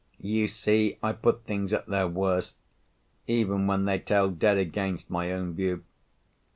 You see, I put things at their worst, even when they tell dead against my own view.